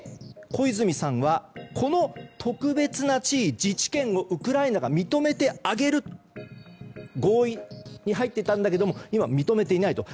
小泉さんは、この特別な地位自治権をウクライナが認めてあげる合意に入ってたんだけど今、認めていない。